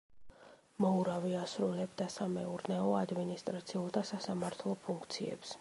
მოურავი ასრულებდა სამეურნეო, ადმინისტრაციულ და სასამართლო ფუნქციებს.